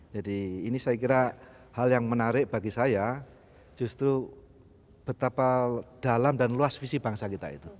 jadi ini saya kira hal yang menarik bagi saya justru betapa dalam dan luas visi bangsa kita itu